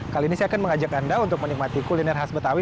kali ini saya akan mengajak anda untuk menikmati kuliner khas betawi